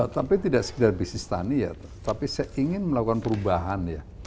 tapi tidak sekedar bisnis tani ya tapi saya ingin melakukan perubahan ya